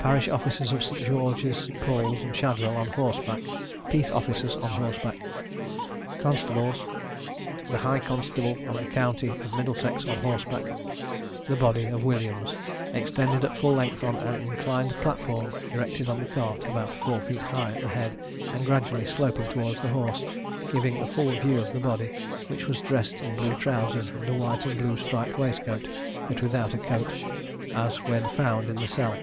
Parish officers of St. Georgeâs, St. Paulâs, and Shadwell, on horseback. Peace officers, on horseback. Constables. The high constable of the county of Middlesex, on horseback. The body of Williams, Extended at full length on an inclined platform, erected on the cart, about four feet high at the head, and gradually sloping towards the horse, giving a full view of the body, which was dressed in blue trousers and a white and blue striped waistcoat, but without a coat, as when found in the cell.